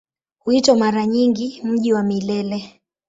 Huitwa mara nyingi "Mji wa Milele".